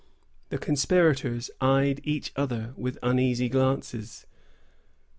The conspirators eyed each other with uneasy glances.